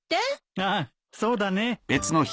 ああそうだね。